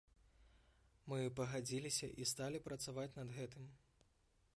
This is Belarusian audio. Мы пагадзіліся і сталі працаваць над гэтым.